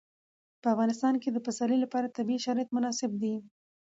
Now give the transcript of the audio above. په افغانستان کې د پسرلی لپاره طبیعي شرایط مناسب دي.